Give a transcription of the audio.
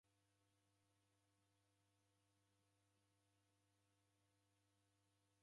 Nakunde nimerie ihi kazi linu koni.